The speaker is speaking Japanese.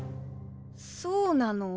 そうなの！？